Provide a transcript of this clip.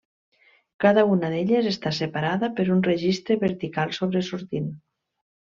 Cada una d'elles està separada per un registre vertical sobresortint.